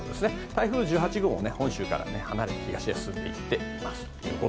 台風１８号は本州から離れて東へ進んでいっています。